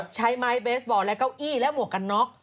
ใช้ไม้เบสบอลและเก้าอี้และหมวกกันน็อก